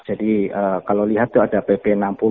jadi kalau lihat tuh ada bp enam puluh dua ribu dua belas